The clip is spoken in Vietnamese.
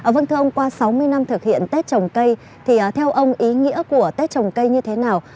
vâng thưa ông qua sáu mươi năm thực hiện tết trồng cây thì theo ông ý nghĩa của tết trồng cây như thế nào